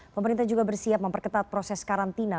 pemerintah juga bersiap memperketat proses karantina